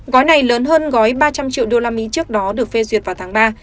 gói này lớn hơn gói ba trăm linh triệu usd trước đó được phê duyệt vào tháng ba